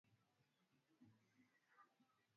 Tunyooshe mikono kwa pamoja